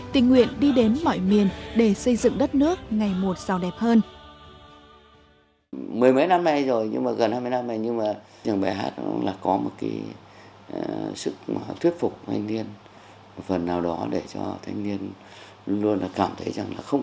tình nguyện đi đến mọi miền để xây dựng đất nước ngày một sao đẹp hơn